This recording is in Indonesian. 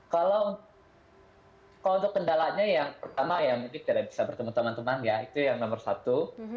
kalau untuk kendalanya yang pertama ya mungkin tidak bisa bertemu teman teman ya itu yang nomor satu